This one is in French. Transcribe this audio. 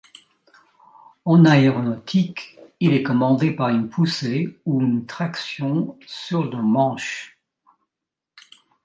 En aéronautique, il est commandé par une poussée ou une traction sur le manche.